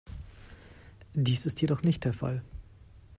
Dies ist jedoch nicht der Fall.